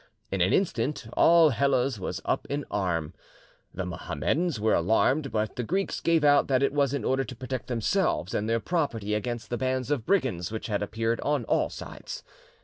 In an instant, all Hellas was up in arms. The Mohammedans were alarmed, but the Greeks gave out that it was in order to protect themselves and their property against the bands of brigands which had appeared on all sides.